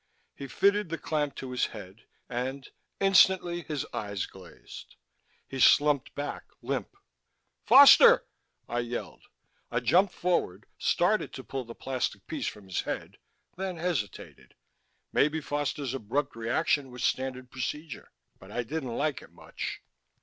He fitted the clamp to his head and ... instantly his eyes glazed; he slumped back, limp. "Foster!" I yelled. I jumped forward, started to pull the plastic piece from his head, then hesitated. Maybe Foster's abrupt reaction was standard procedure but I didn't like it much.